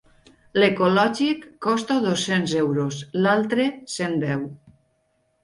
L'ecològic costa dos-cents euros, l'altre cent deu.